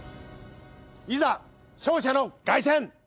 いざ勝者の凱旋！